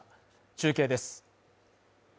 中継です。